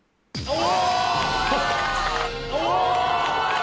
お！